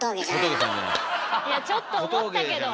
いやちょっと思ったけど！